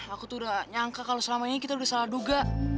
aku tuh udah nyangka kalau selama ini kita udah salah duga